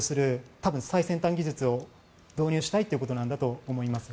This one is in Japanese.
多分最先端技術を導入したいということなんだと思いますが。